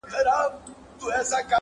چي یې لاستی زما له ځان څخه جوړیږي؛